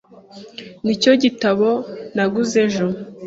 Nicyo gitabo naguze ejo .